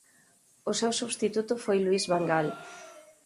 O seu substituto foi Louis van Gaal.